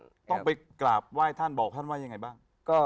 ต้องไปกราบไหว้ท่านบอกท่านว่ายังไงบ้าง